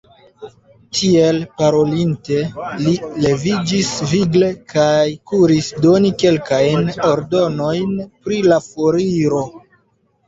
Tiel parolinte, li leviĝis vigle, kaj kuris doni kelkajn ordonojn pri la foriro.